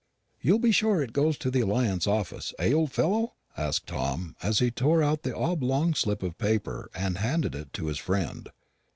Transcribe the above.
"You'll be sure it goes on to the Alliance Office, eh, old fellow?" asked Tom, as he tore out the oblong slip of paper and handed it to his friend.